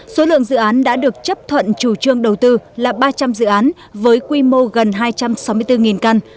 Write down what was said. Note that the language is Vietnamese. số lượng dự án đã được chấp thuận chủ trương đầu tư là ba trăm linh dự án với quy mô gần hai trăm sáu mươi bốn căn